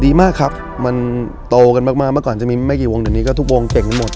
ดีมากครับมันโตกันมากมากเมื่อก่อนจะมีไม่กี่วงเดี๋ยวนี้ก็ทุกวงเก่งกันหมด